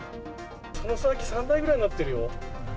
その先も３台ぐらいになってるよ。